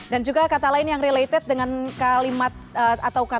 dan juga kata lain yang related dengan kalimat atau kata kata yang terkenal di sekurasi